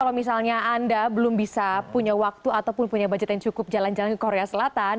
kalau misalnya anda belum bisa punya waktu ataupun punya budget yang cukup jalan jalan ke korea selatan